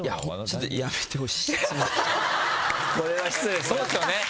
これは失礼そうですよね